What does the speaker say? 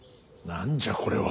何じゃこれは。